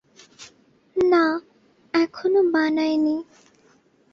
না, এখনো বানায় নি।